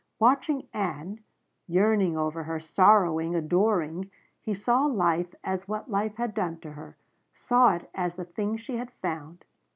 Watching Ann, yearning over her, sorrowing, adoring, he saw life as what life had done to her. Saw it as the thing she had found.